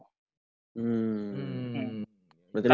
berarti lebih baik dari